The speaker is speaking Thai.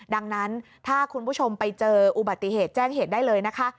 ดังนั้นถ้าคุณผู้ชมไปเจออุบัติเหตุแจ้งเหตุได้เลยนะคะ